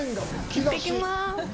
行ってきます。